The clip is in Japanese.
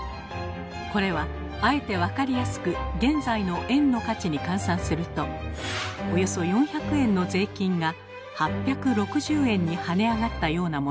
これはあえて分かりやすく現在の円の価値に換算するとおよそ４００円の税金が８６０円に跳ね上がったようなものです。